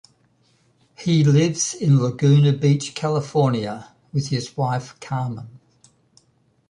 He lives in Laguna Beach California with his wife Carmen.